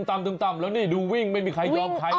กันตุ่มตัมแล้วนี่ดูวิ่งไม่มีใครยอมใครเลยครับ